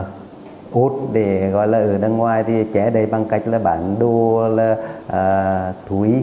cốt để gọi là ở đằng ngoài thì chẽ đây bằng cách là bán đô là thú ý